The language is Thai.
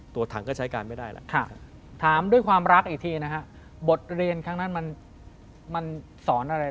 ตัวถังก็ใช้การไม่ได้แหละถามด้วยความรักอีกทีนะฮะบทเรียนครั้งนั้นมันสอนอะไร